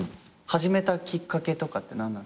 始めたきっかけとかって何なんですか？